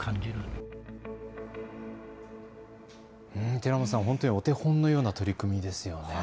寺本さん、お手本のような取り組みですよね。